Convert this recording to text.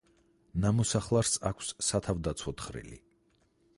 ნამოსახლარს აქვს სათავდაცვო თხრილი.